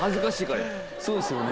そうですよね。